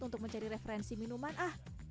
untuk mencari referensi minuman ah